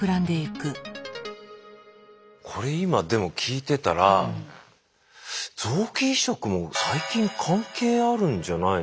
これ今でも聞いてたら臓器移植も細菌関係あるんじゃないのかなって。